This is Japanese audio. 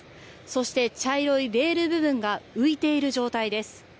そして、茶色いレール部分が浮いている状態です。